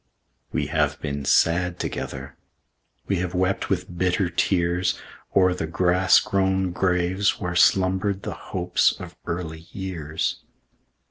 We have been sad together; We have wept with bitter tears O'er the grass grown graves where slumbered The hopes of early years.